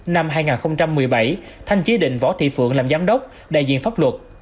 năm hai nghìn một mươi bảy thanh chế định võ thị phượng làm giám đốc đại diện pháp luật